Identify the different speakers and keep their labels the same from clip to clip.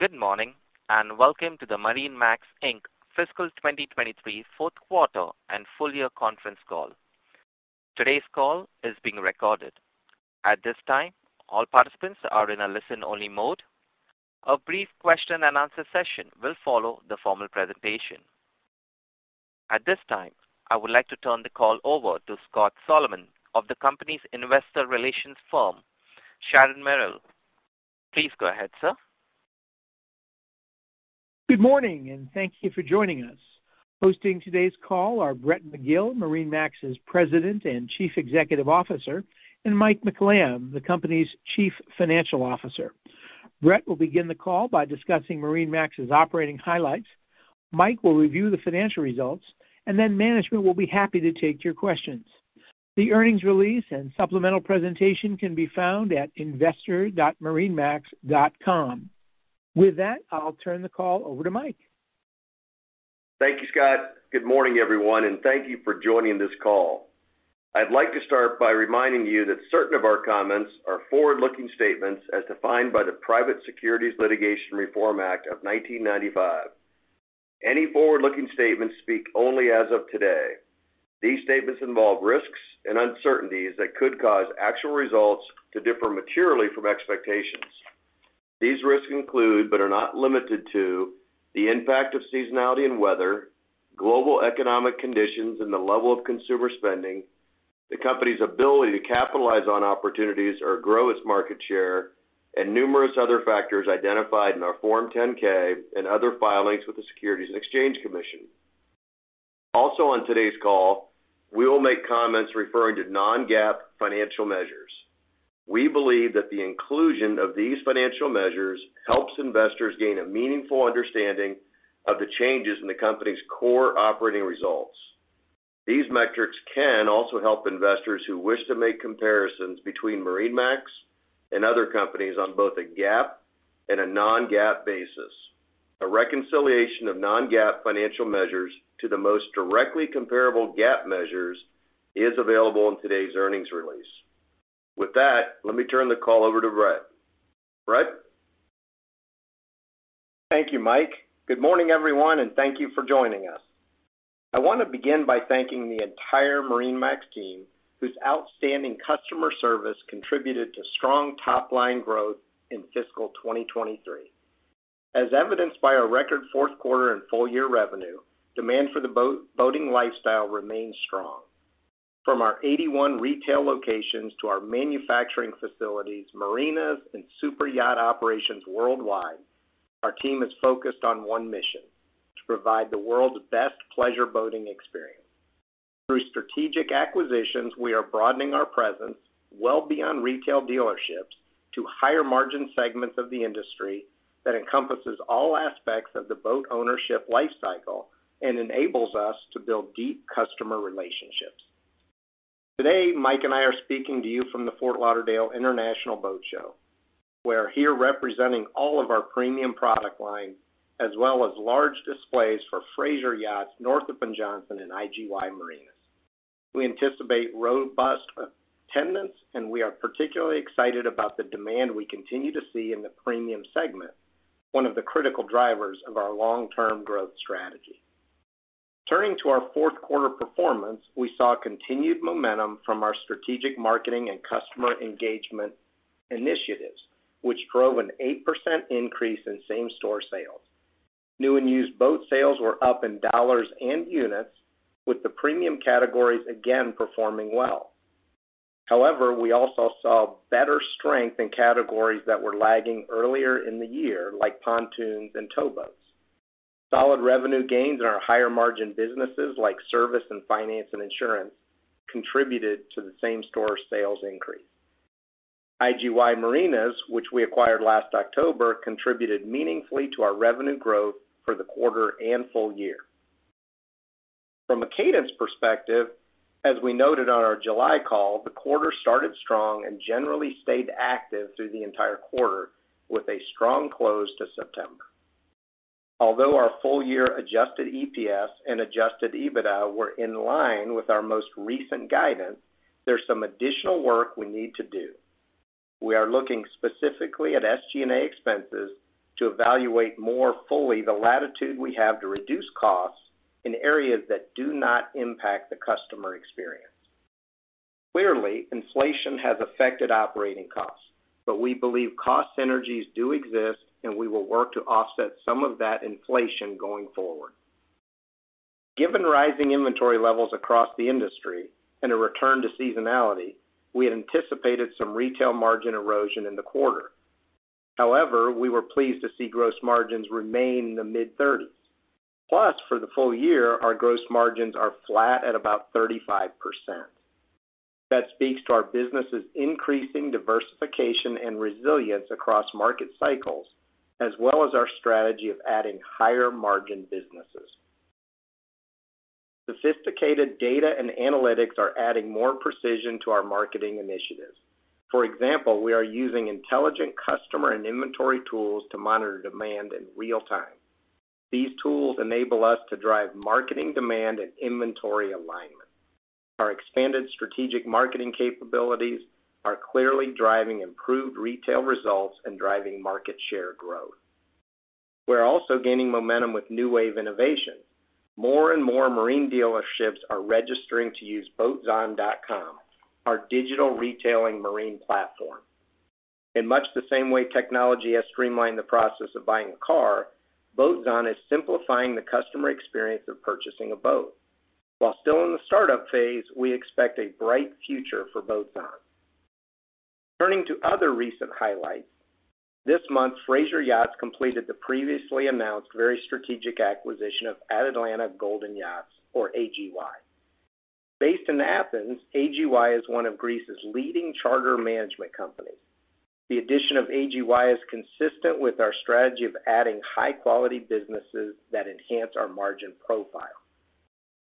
Speaker 1: Good morning, and welcome to the MarineMax, Inc. Fiscal 2023 Fourth Quarter and Full Year Conference call. Today's call is being recorded. At this time, all participants are in a listen-only mode. A brief question-and-answer session will follow the formal presentation. At this time, I would like to turn the call over to Scott Solomon of the company's investor relations firm, Sharon Merrill. Please go ahead, sir.
Speaker 2: Good morning, and thank you for joining us. Hosting today's call are Brett McGill, MarineMax's President and Chief Executive Officer, and Mike McLamb, the company's Chief Financial Officer. Brett will begin the call by discussing MarineMax's operating highlights. Mike will review the financial results, and then management will be happy to take your questions. The earnings release and supplemental presentation can be found at investor.marinemax.com. With that, I'll turn the call over to Mike.
Speaker 3: Thank you, Scott. Good morning, everyone, and thank you for joining this call. I'd like to start by reminding you that certain of our comments are forward-looking statements as defined by the Private Securities Litigation Reform Act of 1995. Any forward-looking statements speak only as of today. These statements involve risks and uncertainties that could cause actual results to differ materially from expectations. These risks include, but are not limited to, the impact of seasonality and weather, global economic conditions and the level of consumer spending, the company's ability to capitalize on opportunities or grow its market share, and numerous other factors identified in our Form 10-K and other filings with the Securities and Exchange Commission. Also, on today's call, we will make comments referring to non-GAAP financial measures. We believe that the inclusion of these financial measures helps investors gain a meaningful understanding of the changes in the company's core operating results. These metrics can also help investors who wish to make comparisons between MarineMax and other companies on both a GAAP and a non-GAAP basis. A reconciliation of non-GAAP financial measures to the most directly comparable GAAP measures is available in today's earnings release. With that, let me turn the call over to Brett. Brett?
Speaker 4: Thank you, Mike. Good morning, everyone, and thank you for joining us. I want to begin by thanking the entire MarineMax team, whose outstanding customer service contributed to strong top-line growth in fiscal 2023. As evidenced by our record fourth quarter and full year revenue, demand for the boating lifestyle remains strong. From our 81 retail locations to our manufacturing facilities, marinas, and superyacht operations worldwide, our team is focused on one mission: to provide the world's best pleasure boating experience. Through strategic acquisitions, we are broadening our presence well beyond retail dealerships to higher-margin segments of the industry that encompasses all aspects of the boat ownership lifecycle and enables us to build deep customer relationships. Today, Mike and I are speaking to you from the Fort Lauderdale International Boat Show. We're here representing all of our premium product lines, as well as large displays for Fraser Yachts, Northrop & Johnson, and IGY Marinas. We anticipate robust attendance, and we are particularly excited about the demand we continue to see in the premium segment, one of the critical drivers of our long-term growth strategy. Turning to our fourth quarter performance, we saw continued momentum from our strategic marketing and customer engagement initiatives, which drove an 8% increase in same-store sales. New and used boat sales were up in dollars and units, with the premium categories again performing well. However, we also saw better strength in categories that were lagging earlier in the year, like pontoons and towboats. Solid revenue gains in our higher-margin businesses, like service and finance and insurance, contributed to the same-store sales increase. IGY Marinas, which we acquired last October, contributed meaningfully to our revenue growth for the quarter and full year. From a cadence perspective, as we noted on our July call, the quarter started strong and generally stayed active through the entire quarter, with a strong close to September. Although our full-year Adjusted EPS and Adjusted EBITDA were in line with our most recent guidance, there's some additional work we need to do. We are looking specifically at SG&A expenses to evaluate more fully the latitude we have to reduce costs in areas that do not impact the customer experience. Clearly, inflation has affected operating costs, but we believe cost synergies do exist, and we will work to offset some of that inflation going forward. Given rising inventory levels across the industry and a return to seasonality, we had anticipated some retail margin erosion in the quarter. However, we were pleased to see gross margins remain in the mid-30s. Plus, for the full year, our gross margins are flat at about 35%. That speaks to our business's increasing diversification and resilience across market cycles, as well as our strategy of adding higher-margin businesses. Sophisticated data and analytics are adding more precision to our marketing initiatives. For example, we are using intelligent customer and inventory tools to monitor demand in real time. These tools enable us to drive marketing demand and inventory alignment.... Our expanded strategic marketing capabilities are clearly driving improved retail results and driving market share growth. We're also gaining momentum with new wave innovation. More and more marine dealerships are registering to use boatzon.com, our digital retailing marine platform. In much the same way technology has streamlined the process of buying a car, Boatzon is simplifying the customer experience of purchasing a boat. While still in the startup phase, we expect a bright future for Boatzon. Turning to other recent highlights, this month, Fraser Yachts completed the previously announced very strategic acquisition of Atalanta Golden Yachts or AGY. Based in Athens, AGY is one of Greece's leading charter management companies. The addition of AGY is consistent with our strategy of adding high-quality businesses that enhance our margin profile.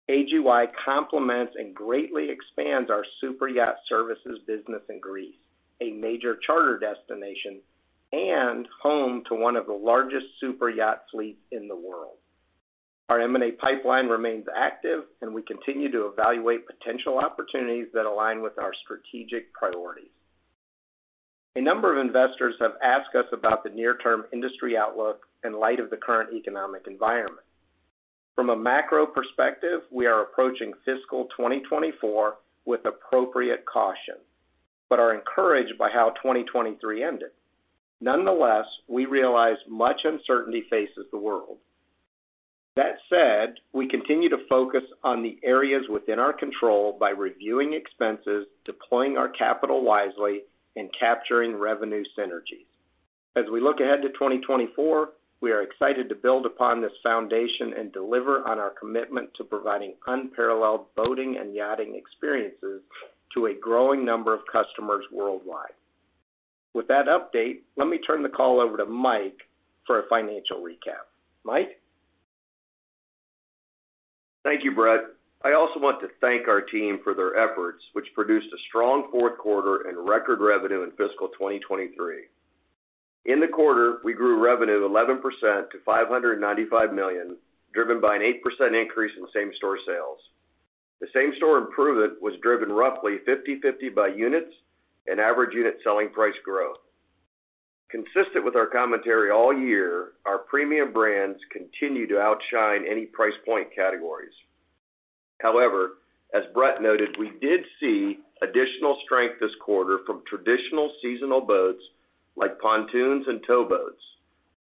Speaker 4: AGY complements and greatly expands our superyacht services business in Greece, a major charter destination and home to one of the largest superyacht fleets in the world. Our M&A pipeline remains active, and we continue to evaluate potential opportunities that align with our strategic priorities. A number of investors have asked us about the near-term industry outlook in light of the current economic environment. From a macro perspective, we are approaching fiscal 2024 with appropriate caution, but are encouraged by how 2023 ended. Nonetheless, we realize much uncertainty faces the world. That said, we continue to focus on the areas within our control by reviewing expenses, deploying our capital wisely, and capturing revenue synergies. As we look ahead to 2024, we are excited to build upon this foundation and deliver on our commitment to providing unparalleled boating and yachting experiences to a growing number of customers worldwide. With that update, let me turn the call over to Mike for a financial recap. Mike?
Speaker 3: Thank you, Brett. I also want to thank our team for their efforts, which produced a strong fourth quarter and record revenue in fiscal 2023. In the quarter, we grew revenue 11% to $595 million, driven by an 8% increase in same-store sales. The same-store improvement was driven roughly 50/50 by units and average unit selling price growth. Consistent with our commentary all year, our premium brands continue to outshine any price point categories. However, as Brett noted, we did see additional strength this quarter from traditional seasonal boats like pontoons and towboats,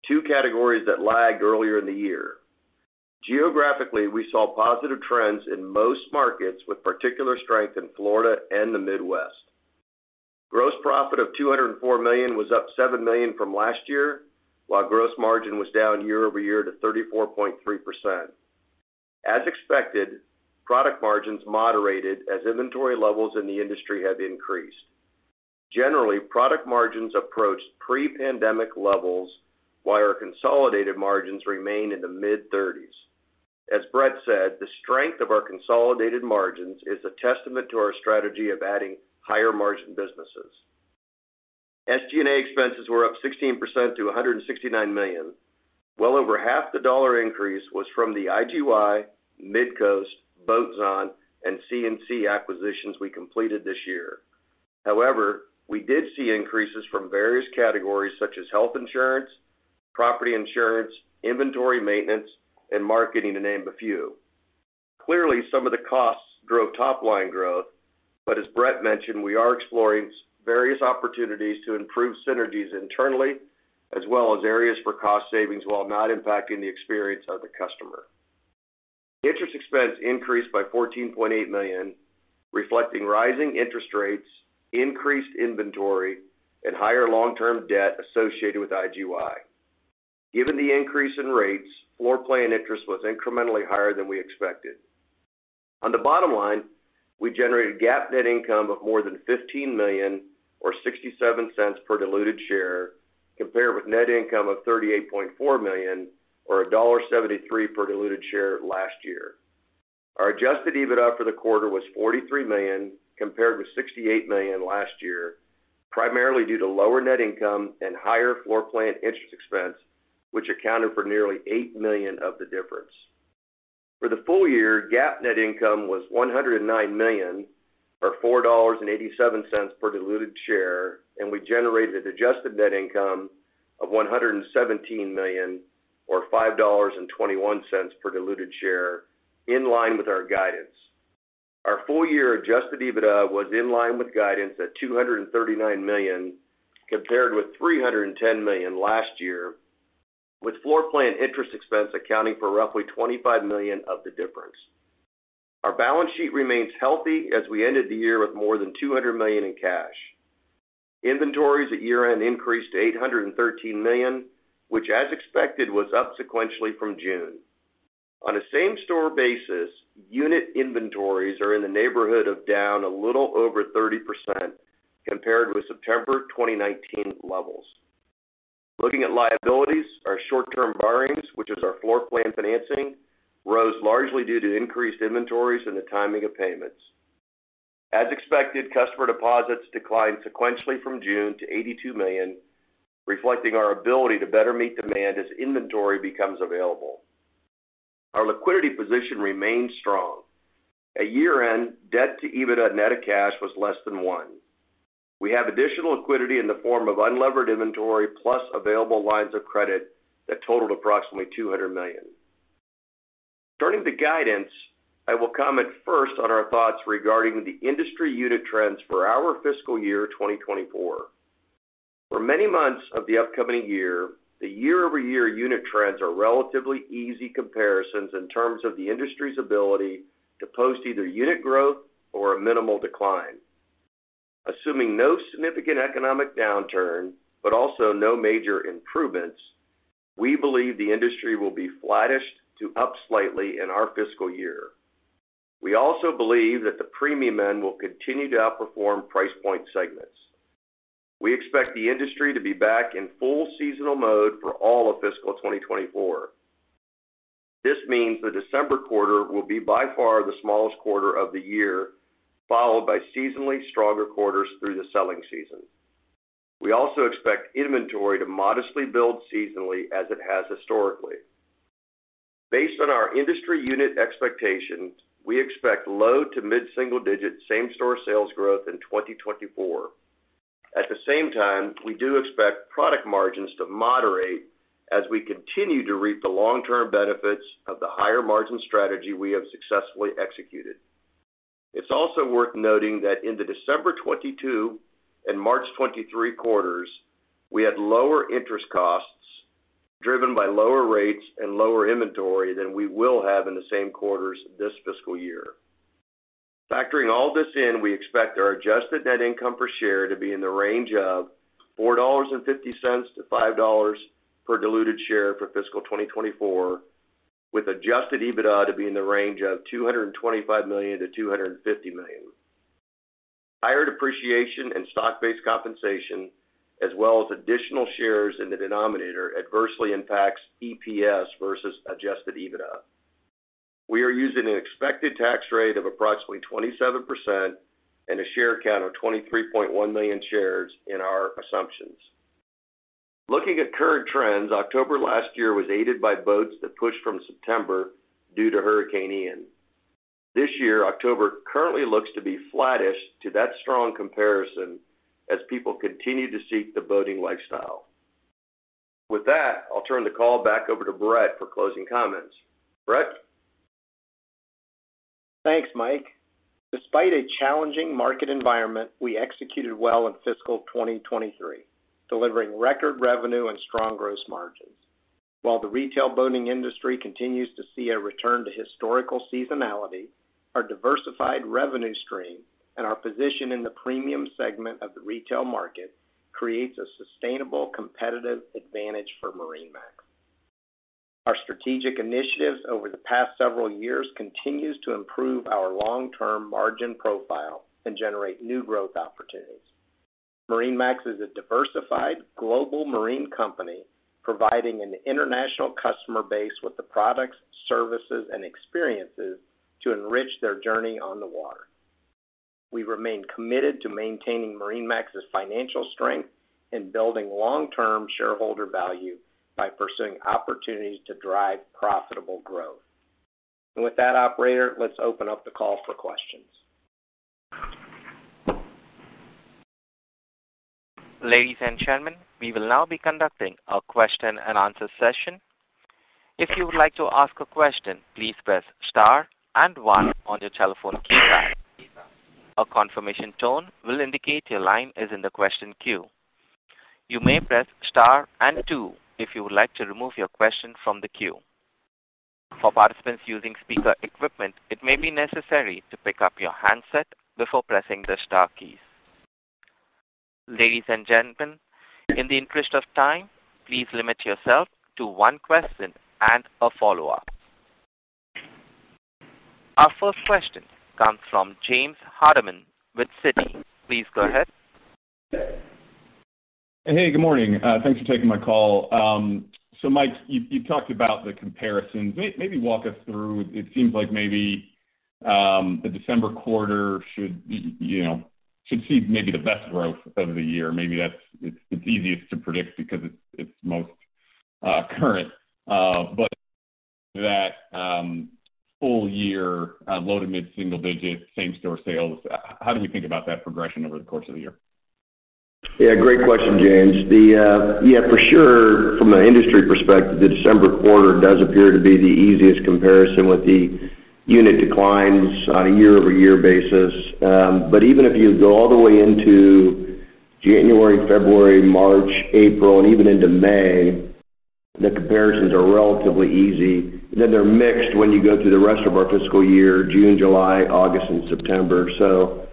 Speaker 3: two categories that lagged earlier in the year. Geographically, we saw positive trends in most markets, with particular strength in Florida and the Midwest. Gross profit of $204 million was up $7 million from last year, while gross margin was down year-over-year to 34.3%. As expected, product margins moderated as inventory levels in the industry have increased. Generally, product margins approached pre-pandemic levels, while our consolidated margins remained in the mid-thirties. As Brett said, the strength of our consolidated margins is a testament to our strategy of adding higher-margin businesses. SG&A expenses were up 16% to $169 million. Well over half the dollar increase was from the IGY, Midcoast, Boatzon, and C&C acquisitions we completed this year. However, we did see increases from various categories such as health insurance, property insurance, inventory maintenance, and marketing, to name a few. Clearly, some of the costs drove top-line growth, but as Brett mentioned, we are exploring various opportunities to improve synergies internally, as well as areas for cost savings while not impacting the experience of the customer. Interest expense increased by $14.8 million, reflecting rising interest rates, increased inventory, and higher long-term debt associated with IGY. Given the increase in rates, floorplan interest was incrementally higher than we expected. On the bottom line, we generated GAAP net income of more than $15 million, or 67 cents per diluted share, compared with net income of $38.4 million, or $1.73 per diluted share last year. Our Adjusted EBITDA for the quarter was $43 million, compared with $68 million last year, primarily due to lower net income and higher floorplan interest expense, which accounted for nearly $8 million of the difference. For the full year, GAAP net income was $109 million, or $4.87 per diluted share, and we generated adjusted net income of $117 million, or $5.21 per diluted share, in line with our guidance. Our full-year Adjusted EBITDA was in line with guidance at $239 million, compared with $310 million last year, with floorplan interest expense accounting for roughly $25 million of the difference. Our balance sheet remains healthy as we ended the year with more than $200 million in cash. Inventories at year-end increased to $813 million, which, as expected, was up sequentially from June. On a same-store basis, unit inventories are in the neighborhood of down a little over 30% compared with September 2019 levels. Looking at liabilities, our short-term borrowings, which is our floorplan financing, rose largely due to increased inventories and the timing of payments. As expected, customer deposits declined sequentially from June to $82 million, reflecting our ability to better meet demand as inventory becomes available. Our liquidity position remains strong. At year-end, debt to EBITDA net of cash was less than 1. We have additional liquidity in the form of unlevered inventory, plus available lines of credit that totaled approximately $200 million. Starting with the guidance, I will comment first on our thoughts regarding the industry unit trends for our fiscal year 2024. For many months of the upcoming year, the year-over-year unit trends are relatively easy comparisons in terms of the industry's ability to post either unit growth or a minimal decline. Assuming no significant economic downturn, but also no major improvements, we believe the industry will be flattish to up slightly in our fiscal year. We also believe that the premium end will continue to outperform price point segments. We expect the industry to be back in full seasonal mode for all of fiscal 2024. This means the December quarter will be by far the smallest quarter of the year, followed by seasonally stronger quarters through the selling season. We also expect inventory to modestly build seasonally as it has historically. Based on our industry unit expectations, we expect low- to mid-single-digit same-store sales growth in 2024. At the same time, we do expect product margins to moderate as we continue to reap the long-term benefits of the higher margin strategy we have successfully executed. It's also worth noting that in the December 2022 and March 2023 quarters, we had lower interest costs, driven by lower rates and lower inventory than we will have in the same quarters this fiscal year. Factoring all this in, we expect our adjusted net income per share to be in the range of $4.50-$5 per diluted share for fiscal 2024, with adjusted EBITDA to be in the range of $225 million-$250 million. Higher depreciation and stock-based compensation, as well as additional shares in the denominator, adversely impacts EPS versus Adjusted EBITDA. We are using an expected tax rate of approximately 27% and a share count of 23.1 million shares in our assumptions. Looking at current trends, October last year was aided by boats that pushed from September due to Hurricane Ian. This year, October currently looks to be flattish to that strong comparison as people continue to seek the boating lifestyle. With that, I'll turn the call back over to Brett for closing comments. Brett?
Speaker 4: Thanks, Mike. Despite a challenging market environment, we executed well in fiscal 2023, delivering record revenue and strong gross margins. While the retail boating industry continues to see a return to historical seasonality, our diversified revenue stream and our position in the premium segment of the retail market creates a sustainable competitive advantage for MarineMax. Our strategic initiatives over the past several years continues to improve our long-term margin profile and generate new growth opportunities. MarineMax is a diversified global marine company, providing an international customer base with the products, services, and experiences to enrich their journey on the water. We remain committed to maintaining MarineMax's financial strength and building long-term shareholder value by pursuing opportunities to drive profitable growth. And with that, operator, let's open up the call for questions.
Speaker 1: Ladies and gentlemen, we will now be conducting a question-and-answer session. If you would like to ask a question, please press star and one on your telephone keypad. A confirmation tone will indicate your line is in the question queue. You may press star and two if you would like to remove your question from the queue. For participants using speaker equipment, it may be necessary to pick up your handset before pressing the star keys. Ladies and gentlemen, in the interest of time, please limit yourself to one question and a follow-up. Our first question comes from James Hardiman with Citi. Please go ahead.
Speaker 5: Hey, good morning. Thanks for taking my call. So Mike, you talked about the comparisons. Maybe walk us through. It seems like maybe the December quarter should, you know, should see maybe the best growth of the year. Maybe that's it, it's easiest to predict because it's most current. But that full year low- to mid-single-digit same-store sales, how do we think about that progression over the course of the year?
Speaker 3: Yeah, great question, James. The yeah, for sure, from an industry perspective, the December quarter does appear to be the easiest comparison with the unit declines on a year-over-year basis. But even if you go all the way into January, February, March, April, and even into May, the comparisons are relatively easy. Then they're mixed when you go through the rest of our fiscal year, June, July, August, and September. So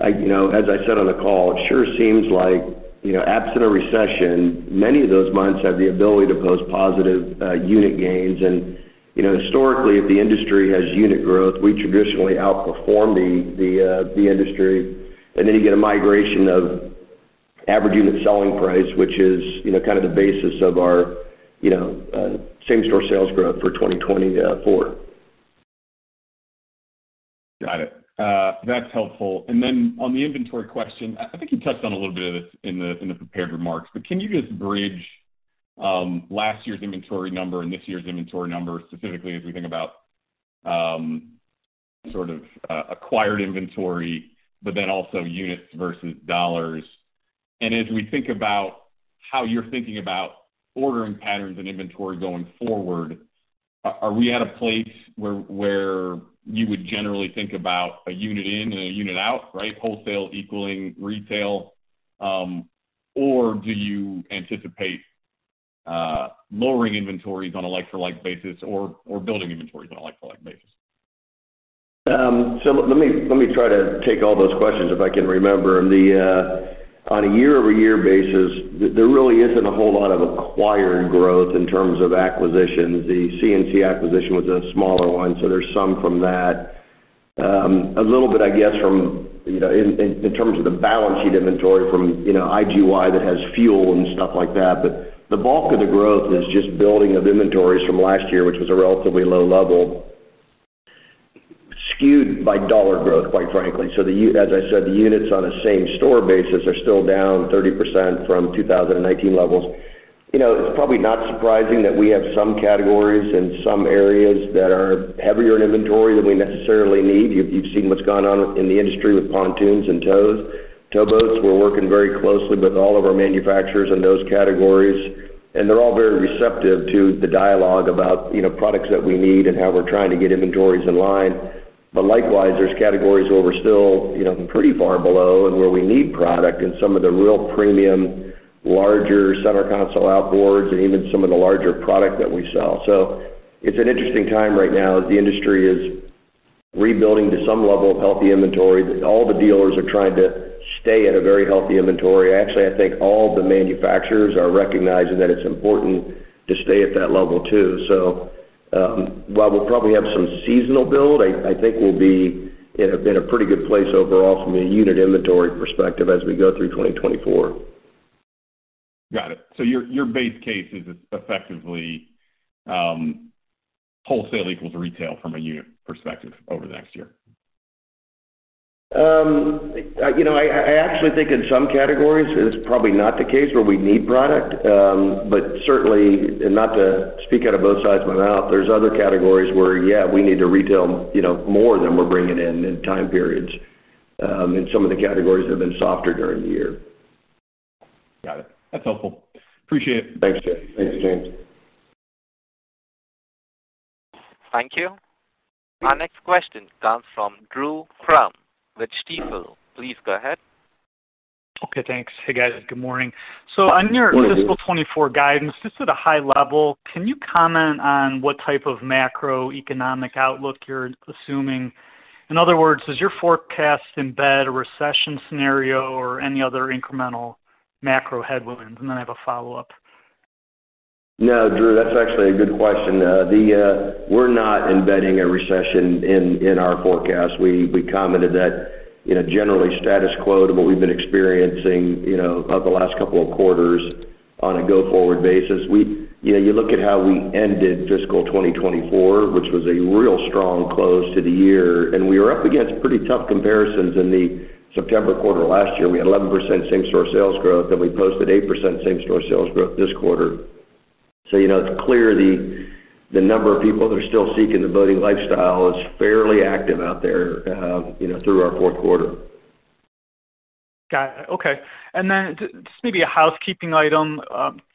Speaker 3: I, you know, as I said on the call, it sure seems like, you know, absent a recession, many of those months have the ability to post positive unit gains. And, you know, historically, if the industry has unit growth, we traditionally outperform the industry. And then you get a migration of-... average unit selling price, which is, you know, kind of the basis of our, you know, same-store sales growth for 2024.
Speaker 5: Got it. That's helpful. And then on the inventory question, I think you touched on a little bit of this in the prepared remarks, but can you just bridge last year's inventory number and this year's inventory number, specifically as we think about sort of acquired inventory, but then also units versus dollars? And as we think about how you're thinking about ordering patterns and inventory going forward, are we at a place where you would generally think about a unit in and a unit out, right? Wholesale equaling retail, or do you anticipate lowering inventories on a like-for-like basis or building inventories on a like-for-like basis?
Speaker 3: So let me try to take all those questions, if I can remember them. On a year-over-year basis, there really isn't a whole lot of acquired growth in terms of acquisitions. The C&C acquisition was a smaller one, so there's some from that. A little bit, I guess, from, you know, in terms of the balance sheet inventory from, you know, IGY that has fuel and stuff like that. But the bulk of the growth is just building of inventories from last year, which was a relatively low level, skewed by dollar growth, quite frankly. So as I said, the units on a same-store basis are still down 30% from 2019 levels. You know, it's probably not surprising that we have some categories and some areas that are heavier in inventory than we necessarily need. You've seen what's gone on in the industry with pontoons and tows, towboats. We're working very closely with all of our manufacturers in those categories, and they're all very receptive to the dialogue about, you know, products that we need and how we're trying to get inventories in line. But likewise, there's categories where we're still, you know, pretty far below and where we need product and some of the real premium, larger center console outboards and even some of the larger product that we sell. So it's an interesting time right now, as the industry is rebuilding to some level of healthy inventory, that all the dealers are trying to stay at a very healthy inventory. Actually, I think all the manufacturers are recognizing that it's important to stay at that level, too. So, while we'll probably have some seasonal build, I think we'll be in a pretty good place overall from a unit inventory perspective as we go through 2024.
Speaker 5: Got it. So your base case is effectively, wholesale equals retail from a unit perspective over the next year?
Speaker 3: You know, I actually think in some categories it's probably not the case where we need product. But certainly, and not to speak out of both sides of my mouth, there's other categories where, yeah, we need to retail, you know, more than we're bringing in in time periods, in some of the categories that have been softer during the year.
Speaker 5: Got it. That's helpful. Appreciate it.
Speaker 3: Thanks, James.
Speaker 4: Thanks, James.
Speaker 1: Thank you. Our next question comes from Drew Crum with Stifel. Please go ahead.
Speaker 6: Okay, thanks. Hey, guys. Good morning.
Speaker 3: Good morning.
Speaker 6: On your fiscal 2024 guidance, just at a high level, can you comment on what type of macroeconomic outlook you're assuming? In other words, does your forecast embed a recession scenario or any other incremental macro headwinds? And then I have a follow-up.
Speaker 3: No, Drew, that's actually a good question. We're not embedding a recession in our forecast. We commented that, you know, generally status quo to what we've been experiencing, you know, over the last couple of quarters on a go-forward basis. You know, you look at how we ended fiscal 2024, which was a real strong close to the year, and we were up against pretty tough comparisons in the September quarter. Last year, we had 11% same-store sales growth, and we posted 8% same-store sales growth this quarter. So you know, it's clear the number of people that are still seeking the boating lifestyle is fairly active out there, you know, through our fourth quarter.
Speaker 6: Got it. Okay. And then just maybe a housekeeping item.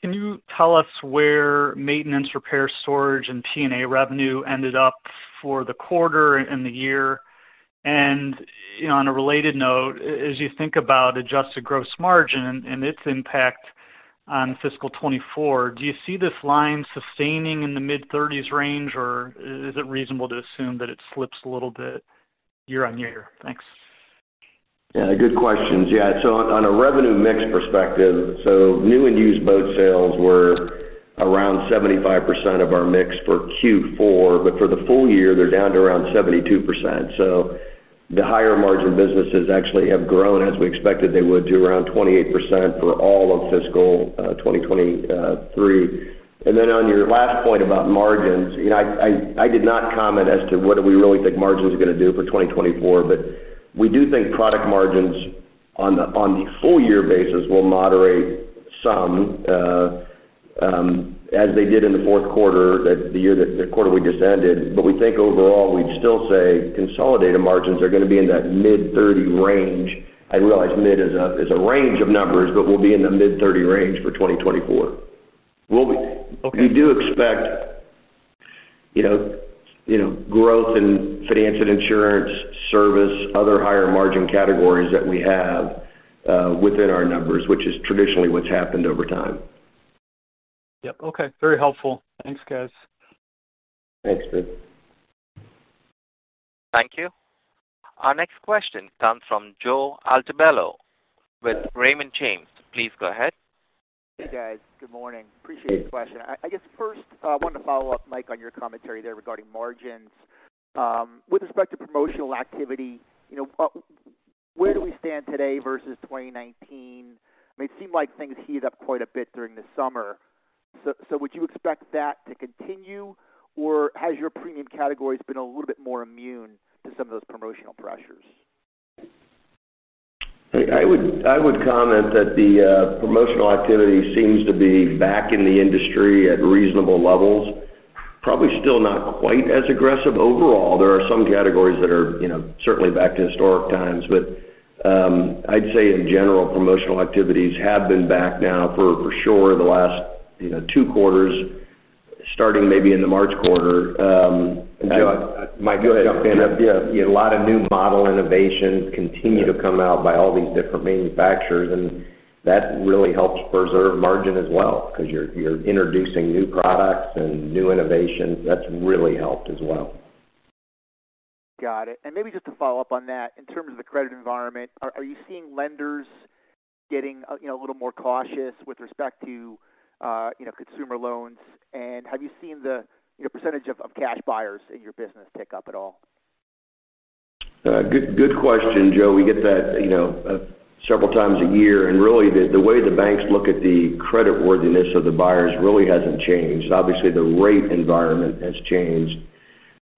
Speaker 6: Can you tell us where maintenance, repair, storage, and P&A revenue ended up for the quarter and the year? And, you know, on a related note, as you think about adjusted gross margin and its impact on fiscal 2024, do you see this line sustaining in the mid-thirties range, or is it reasonable to assume that it slips a little bit year-on-year? Thanks.
Speaker 3: Yeah, good questions. Yeah, so on a revenue mix perspective, so new and used boat sales were around 75% of our mix for Q4, but for the full year, they're down to around 72%. So the higher margin businesses actually have grown, as we expected they would, to around 28% for all of fiscal 2023. And then on your last point about margins, you know, I did not comment as to what we really think margin is going to do for 2024, but we do think product margins on the full year basis will moderate some, as they did in the fourth quarter, the quarter we just ended. But we think overall, we'd still say consolidated margins are going to be in that mid-30 range. I realize mid is a range of numbers, but we'll be in the mid-30 range for 2024.
Speaker 6: Okay.
Speaker 3: We do expect, you know, you know, growth in finance and insurance, service, other higher margin categories that we have, within our numbers, which is traditionally what's happened over time.
Speaker 6: Yep. Okay. Very helpful. Thanks, guys.
Speaker 3: Thanks, Drew.
Speaker 1: Thank you. Our next question comes from Joe Altobello with Raymond James. Please go ahead....
Speaker 7: Hey, guys, good morning. Appreciate the question. I guess first, I wanted to follow up, Mike, on your commentary there regarding margins. With respect to promotional activity, you know, where do we stand today versus 2019? I mean, it seemed like things heated up quite a bit during the summer. So, would you expect that to continue, or has your premium categories been a little bit more immune to some of those promotional pressures?
Speaker 3: I would comment that the promotional activity seems to be back in the industry at reasonable levels. Probably still not quite as aggressive overall. There are some categories that are, you know, certainly back to historic times. But I'd say in general, promotional activities have been back now for sure the last, you know, two quarters, starting maybe in the March quarter, and
Speaker 4: Joe, Mike, jump in.
Speaker 3: Yeah, a lot of new model innovations continue Yeah to come out by all these different manufacturers, and that really helps preserve margin as well, because you're introducing new products and new innovations. That's really helped as well.
Speaker 7: Got it. And maybe just to follow up on that, in terms of the credit environment, are you seeing lenders getting, you know, a little more cautious with respect to, you know, consumer loans? And have you seen the, you know, percentage of cash buyers in your business pick up at all?
Speaker 3: Good, good question, Joe. We get that, you know, several times a year, and really, the way the banks look at the creditworthiness of the buyers really hasn't changed. Obviously, the rate environment has changed.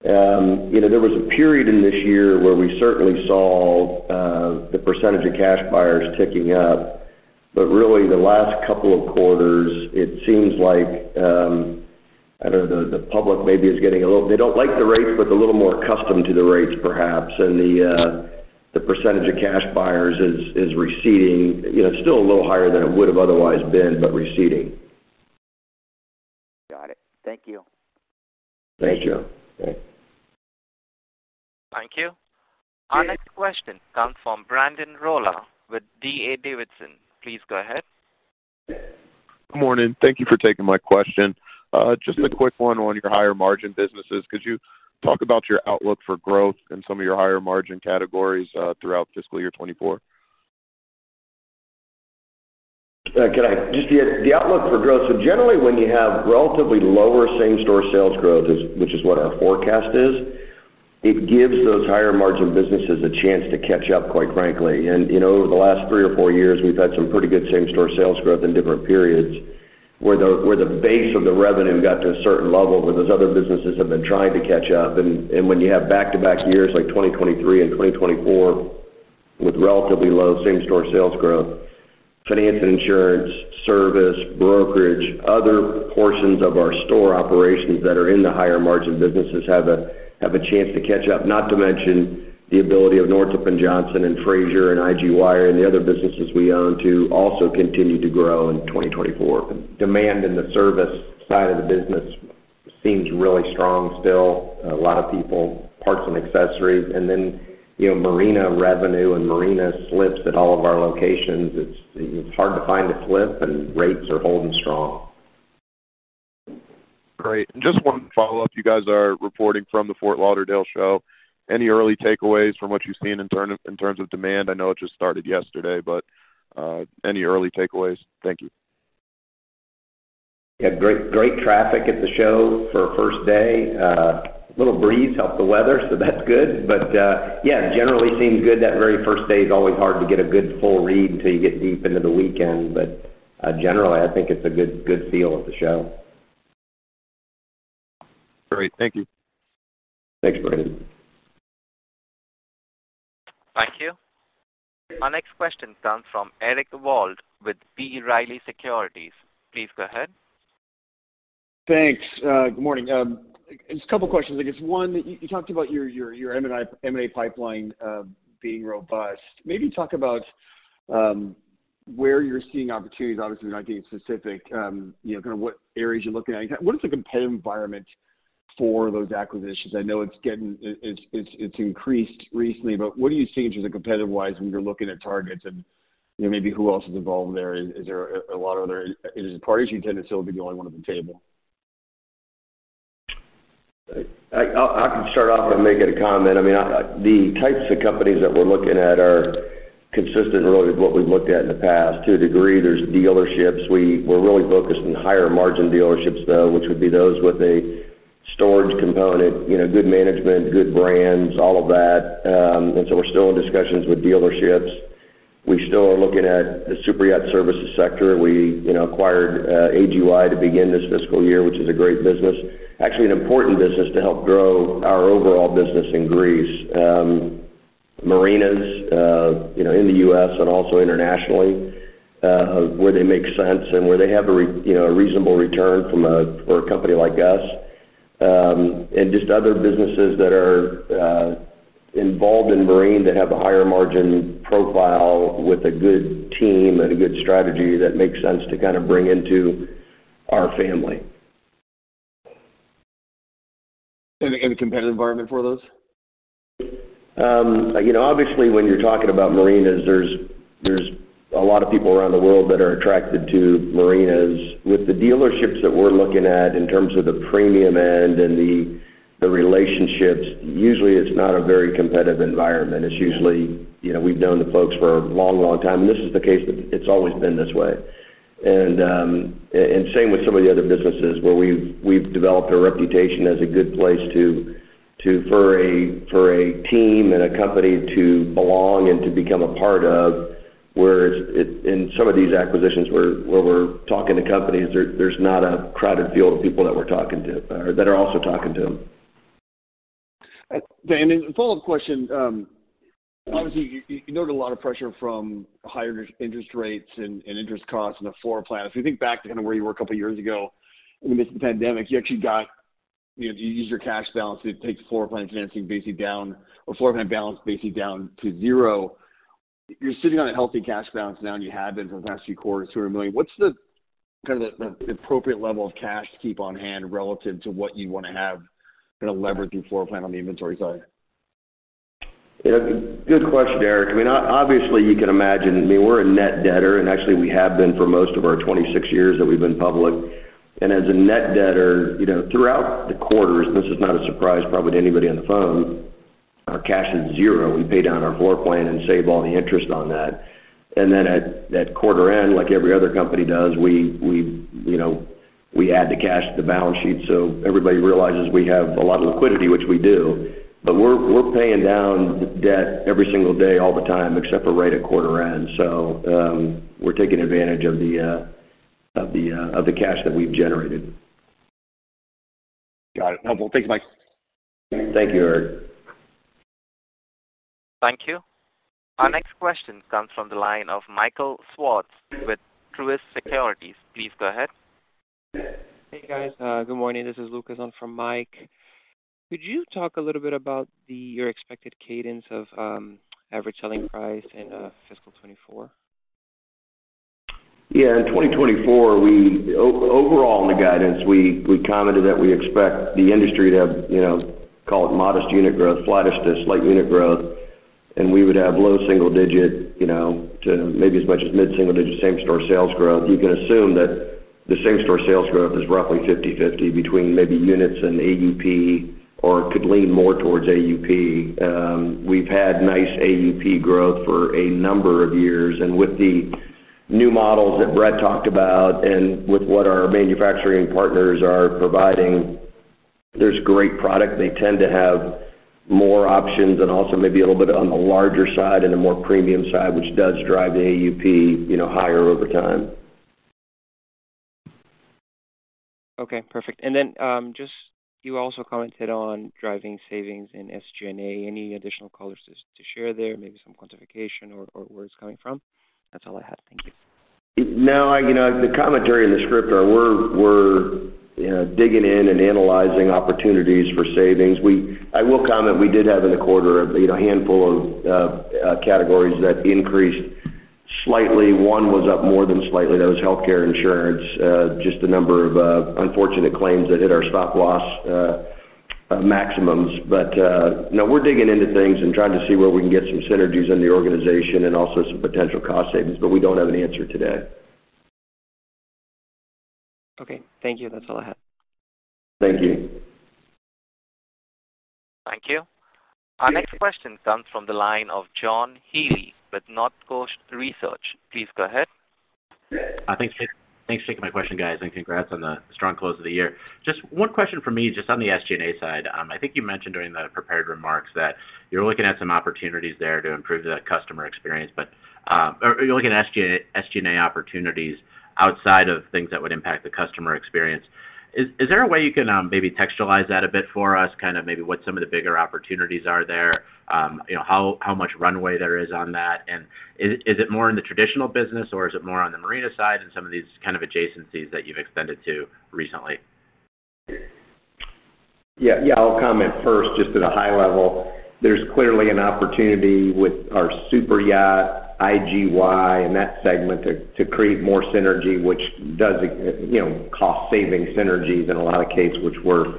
Speaker 3: You know, there was a period in this year where we certainly saw, the percentage of cash buyers ticking up, but really, the last couple of quarters, it seems like, I don't know, the public maybe is getting a little... They don't like the rates, but a little more accustomed to the rates, perhaps, and the percentage of cash buyers is receding. You know, still a little higher than it would have otherwise been, but receding.
Speaker 7: Got it. Thank you.
Speaker 3: Thanks, Joe.
Speaker 1: Thank you. Our next question comes from Brandon Rolle with D.A. Davidson. Please go ahead.
Speaker 8: Good morning. Thank you for taking my question. Just a quick one on your higher margin businesses: could you talk about your outlook for growth in some of your higher margin categories, throughout fiscal year 2024?
Speaker 3: The outlook for growth, so generally, when you have relatively lower same-store sales growth, which is what our forecast is, it gives those higher margin businesses a chance to catch up, quite frankly. And, you know, over the last three or four years, we've had some pretty good same-store sales growth in different periods, where the base of the revenue got to a certain level, where those other businesses have been trying to catch up. And when you have back-to-back years like 2023 and 2024, with relatively low same-store sales growth, finance and insurance, service, brokerage, other portions of our store operations that are in the higher margin businesses have a chance to catch up. Not to mention the ability of Northrop & Johnson and Fraser and IGY and the other businesses we own to also continue to grow in 2024. Demand in the service side of the business seems really strong still. A lot of people, parts and accessories, and then, you know, marina revenue and marina slips at all of our locations, it's, it's hard to find a slip, and rates are holding strong.
Speaker 8: Great. Just one follow-up. You guys are reporting from the Fort Lauderdale Show. Any early takeaways from what you've seen in terms of demand? I know it just started yesterday, but any early takeaways? Thank you.
Speaker 3: Yeah, great, great traffic at the show for a first day. A little breeze helped the weather, so that's good. But, yeah, generally seems good. That very first day is always hard to get a good, full read until you get deep into the weekend. But, generally, I think it's a good, good feel of the show.
Speaker 8: Great. Thank you.
Speaker 3: Thanks, Brandon.
Speaker 1: Thank you. Our next question comes from Eric Wold with B. Riley Securities. Please go ahead.
Speaker 9: Thanks. Good morning. Just a couple questions. I guess one, you talked about your M&A pipeline being robust. Maybe talk about where you're seeing opportunities. Obviously, you're not getting specific, you know, kind of what areas you're looking at. What is the competitive environment for those acquisitions? I know it's increased recently, but what are you seeing just competitive-wise when you're looking at targets and, you know, maybe who else is involved there? Is there a lot of other parties you tend to still be the only one at the table?
Speaker 3: I can start off and make it a comment. I mean, the types of companies that we're looking at are consistent, really, with what we've looked at in the past. To a degree, there's dealerships. We're really focused on higher-margin dealerships, though, which would be those with a storage component, you know, good management, good brands, all of that. And so we're still in discussions with dealerships. We still are looking at the superyacht services sector. We, you know, acquired AGY to begin this fiscal year, which is a great business. Actually, an important business to help grow our overall business in Greece. Marinas, you know, in the U.S. and also internationally, where they make sense and where they have a reasonable return from a for a company like us. And just other businesses that are involved in marine that have a higher margin profile with a good team and a good strategy that makes sense to kind of bring into our family.
Speaker 9: Competitive environment for those?
Speaker 3: You know, obviously, when you're talking about marinas, there's a lot of people around the world that are attracted to marinas. With the dealerships that we're looking at, in terms of the premium end and the relationships, usually it's not a very competitive environment. It's usually, you know, we've known the folks for a long, long time, and this is the case that it's always been this way. And same with some of the other businesses where we've developed a reputation as a good place to for a team and a company to belong and to become a part of, whereas in some of these acquisitions, where we're talking to companies, there's not a crowded field of people that we're talking to, or that are also talking to them.
Speaker 9: then, and a follow-up question. Obviously, you noted a lot of pressure from higher interest rates and interest costs in the floor plan. If you think back to kind of where you were a couple of years ago in the midst of the pandemic, you actually got, you know, you used your cash balance to take the floor plan financing basically down, or floor plan balance basically down to zero. You're sitting on a healthy cash balance now, and you have been for the past few quarters, $200 million. What's the kind of the appropriate level of cash to keep on hand relative to what you want to have to leverage your floor plan on the inventory side?
Speaker 3: Yeah, good question, Eric. I mean, obviously, you can imagine, I mean, we're a net debtor, and actually we have been for most of our 26 years that we've been public. And as a net debtor, you know, throughout the quarters, this is not a surprise probably to anybody on the phone, our cash is zero. We pay down our floor plan and save all the interest on that. And then at quarter end, like every other company does, we you know we add the cash to the balance sheet. So everybody realizes we have a lot of liquidity, which we do, but we're paying down debt every single day, all the time, except for right at quarter end. So, we're taking advantage of the cash that we've generated.
Speaker 9: Got it. No, well, thanks, Mike.
Speaker 3: Thank you, Eric.
Speaker 1: Thank you. Our next question comes from the line of Michael Swartz with Truist Securities. Please go ahead.
Speaker 10: Hey, guys, good morning. This is Lucas on from Mike. Could you talk a little bit about the—your expected cadence of average selling price in fiscal 2024?
Speaker 3: Yeah, in 2024, we, overall, in the guidance, we commented that we expect the industry to have, you know, call it modest unit growth, flattish to slight unit growth, and we would have low single-digit, you know, to maybe as much as mid single-digit same-store sales growth. You can assume that the same-store sales growth is roughly 50/50 between maybe units and AUP, or could lean more towards AUP. We've had nice AUP growth for a number of years, and with the new models that Brett talked about and with what our manufacturing partners are providing, there's great product. They tend to have more options and also maybe a little bit on the larger side and a more premium side, which does drive the AUP, you know, higher over time.
Speaker 10: Okay, perfect. And then, just you also commented on driving savings in SG&A. Any additional colors to share there, maybe some quantification or where it's coming from? That's all I had. Thank you.
Speaker 3: No, you know, the commentary in the script is we're digging in and analyzing opportunities for savings. I will comment, we did have in the quarter, you know, a handful of categories that increased slightly. One was up more than slightly. That was healthcare insurance, just a number of unfortunate claims that hit our stop-loss maximums. But, no, we're digging into things and trying to see where we can get some synergies in the organization and also some potential cost savings, but we don't have an answer today.
Speaker 10: Okay, thank you. That's all I have.
Speaker 3: Thank you.
Speaker 1: Thank you. Our next question comes from the line of John Healy with Northcoast Research. Please go ahead.
Speaker 11: Thanks for taking my question, guys, and congrats on the strong close of the year. Just one question for me, just on the SG&A side. I think you mentioned during the prepared remarks that you're looking at some opportunities there to improve the customer experience, but, or you're looking at SG&A opportunities outside of things that would impact the customer experience. Is there a way you can maybe textualize that a bit for us, kind of maybe what some of the bigger opportunities are there? You know, how much runway there is on that, and is it more in the traditional business or is it more on the marina side and some of these kind of adjacencies that you've extended to recently?
Speaker 4: Yeah, yeah. I'll comment first, just at a high level. There's clearly an opportunity with our super yacht, IGY, and that segment to create more synergy, which does, you know, cost-saving synergies in a lot of cases, which we're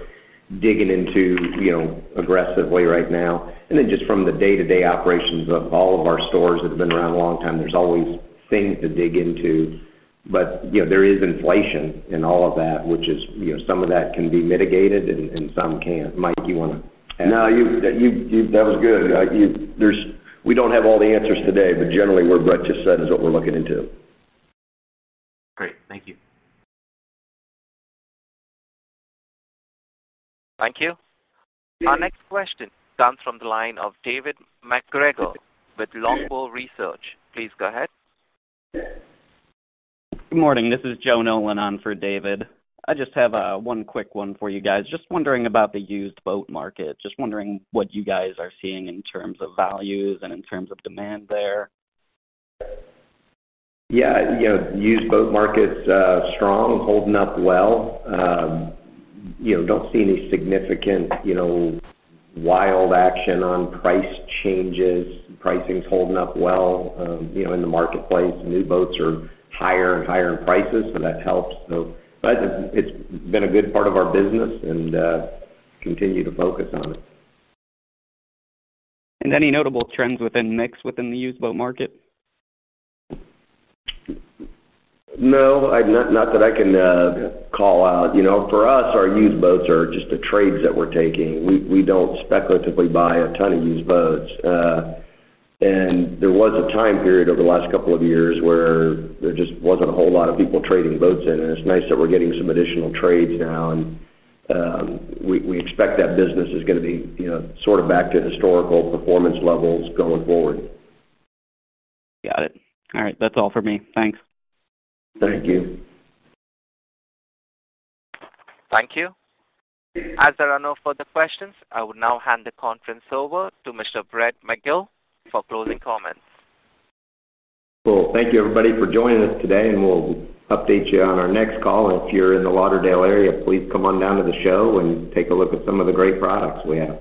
Speaker 4: digging into, you know, aggressively right now. And then just from the day-to-day operations of all of our stores that have been around a long time, there's always things to dig into. But, you know, there is inflation in all of that, which is, you know, some of that can be mitigated and some can't. Mike, do you want to add?
Speaker 3: No, you... That was good. You, there's, we don't have all the answers today, but generally, what Brett just said is what we're looking into.
Speaker 11: Great. Thank you.
Speaker 1: Thank you. Our next question comes from the line of David MacGregor with Longbow Research. Please go ahead.
Speaker 12: Good morning. This is Joe Nolan on for David. I just have one quick one for you guys. Just wondering about the used boat market. Just wondering what you guys are seeing in terms of values and in terms of demand there.
Speaker 3: Yeah, you know, used boat market's strong, holding up well. You know, don't see any significant, you know, wild action on price changes. Pricing's holding up well, you know, in the marketplace. New boats are higher and higher in prices, so that helps. So but it's, it's been a good part of our business, and continue to focus on it.
Speaker 12: Any notable trends within mix within the used boat market?
Speaker 3: No, not that I can call out. You know, for us, our used boats are just the trades that we're taking. We don't speculatively buy a ton of used boats. And there was a time period over the last couple of years where there just wasn't a whole lot of people trading boats in, and it's nice that we're getting some additional trades now, and we expect that business is going to be, you know, sort of back to historical performance levels going forward.
Speaker 12: Got it. All right. That's all for me. Thanks.
Speaker 3: Thank you.
Speaker 1: Thank you. As there are no further questions, I will now hand the conference over to Mr. Brett McGill for closing comments.
Speaker 4: Well, thank you, everybody, for joining us today, and we'll update you on our next call. If you're in the Lauderdale area, please come on down to the show and take a look at some of the great products we have.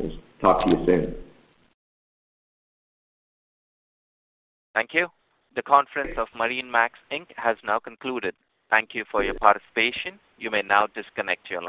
Speaker 4: We'll talk to you soon.
Speaker 1: Thank you. The conference of MarineMax, Inc. has now concluded. Thank you for your participation. You may now disconnect your line.